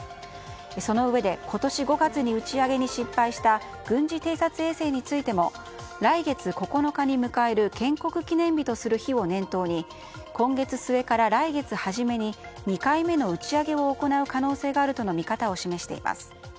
そのうえで今年５月に打ち上げに失敗した軍事偵察衛星についても来月９日に迎える建国記念日とする日を念頭に今月末から来月初めに２回目の打ち上げを行う可能性があるとの見方を示しています。